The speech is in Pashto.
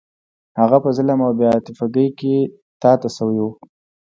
هغه په ظلم او بې عاطفګۍ کې تا ته شوی و.